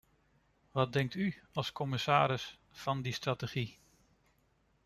Wat denkt u, als commissaris, van die strategie?